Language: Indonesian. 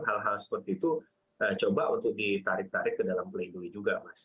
hal hal seperti itu coba untuk ditarik tarik ke dalam pledoi juga mas